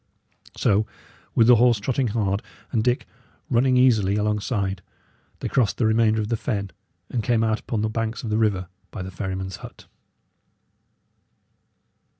So, with the horse trotting hard, and Dick running easily alongside, they crossed the remainder of the fen, and came out upon the banks of the river by the ferryman's hut.